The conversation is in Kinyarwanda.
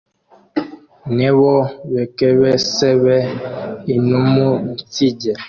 nebo bekebesebe inumunsinge.